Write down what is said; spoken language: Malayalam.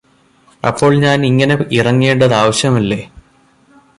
അപ്പോൾ ഞാന് ഇങ്ങനെ ഇറങ്ങേണ്ടത് ആവശ്യമല്ലേ